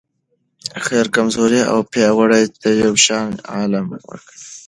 خير کمزورې او پیاوړي ته یو شان علم ورکوي.